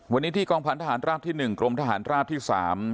วันนี้ที่กองพันธหารราบที่๑กรมทหารราบที่๓